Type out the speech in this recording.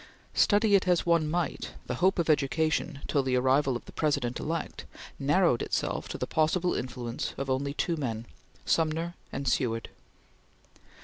Study it as one might, the hope of education, till the arrival of the President elect, narrowed itself to the possible influence of only two men Sumner and Seward.